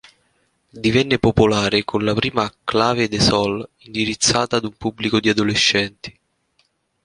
Divenne popolare con la prima "Clave de sol" indirizzata ad un pubblico di adolescenti.